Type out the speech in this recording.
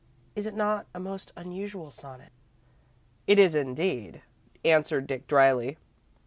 Is it not a most unusual sonnet?" "It is, indeed," answered Dick, dryly.